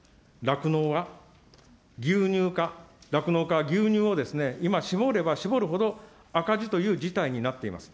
酪農は牛乳か、酪農家は牛乳を今、搾れば搾るほど赤字という事態になっています。